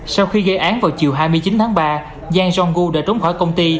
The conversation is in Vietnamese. sau khi gây án vào chiều hai mươi chín tháng ba zhang zhonggu đã trốn khỏi công ty